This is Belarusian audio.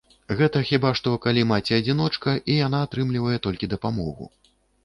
Гэта хіба што, калі маці-адзіночка, і яна атрымлівае толькі дапамогу.